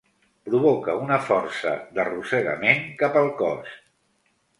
Provoca una força d'arrossegament cap al cos.